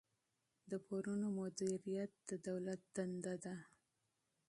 د پورونو مدیریت د دولت دنده ده.